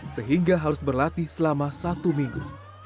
sehingga harus berlatih selama satu minggu